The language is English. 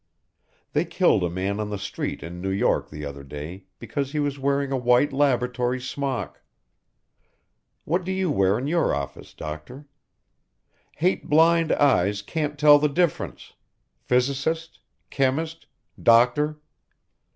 They killed a man on the street in New York the other day because he was wearing a white laboratory smock. What do you wear in your office, doctor? Hate blind eyes can't tell the difference: Physicist, chemist, doctor....